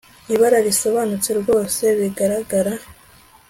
Ibara rirasobanutse rwose biragaragara